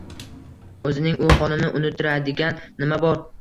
O'zining u xonimni unuttiradigan nima bor?